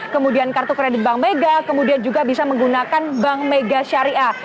kemudian kartu kredit bank mega kemudian juga bisa menggunakan bank mega syariah